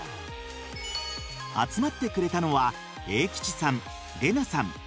集まってくれたのはエイキチさんレナさん